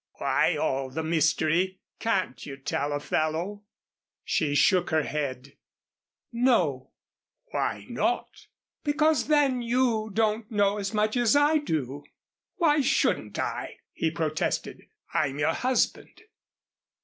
Why all the mystery? Can't you tell a fellow?" She shook her head. "No." "Why not?" "Because then you don't know as much as I do." "Why shouldn't I?" he protested. "I'm your husband."